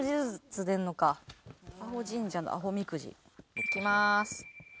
いきまーす。